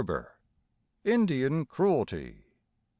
INDIAN CRUELTY.